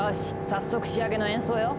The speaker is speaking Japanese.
早速仕上げの演奏よ！